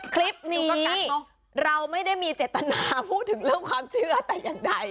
คลิปนี้เราไม่ได้มีเจตนาพูดถึงเรื่องความเชื่อแต่อย่างใด